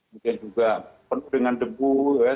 mungkin juga penuh dengan debu ya